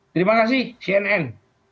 terima kasih cnn